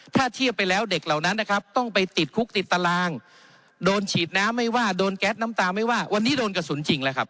ถ้าเทียบไปแล้วเด็กเหล่านั้นนะครับต้องไปติดคุกติดตารางโดนฉีดน้ำไม่ว่าโดนแก๊สน้ำตาไม่ว่าวันนี้โดนกระสุนจริงแล้วครับ